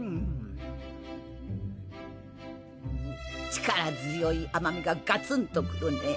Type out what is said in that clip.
力強い甘みがガツンとくるねぇ。